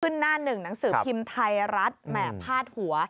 หน้าหนึ่งหนังสือพิมพ์ไทยรัฐแหม่พาดหัว